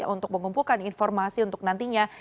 untuk mengumpulkan informasi untuk nantinya